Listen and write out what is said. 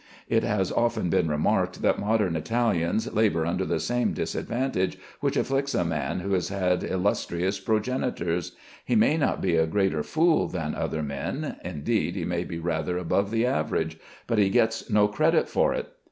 It has often been remarked that modern Italians labor under the same disadvantage which afflicts a man who has had illustrious progenitors. He may not be a greater fool than other men, indeed he may be rather above the average, but he gets no credit for it.